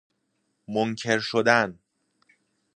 منکر شدن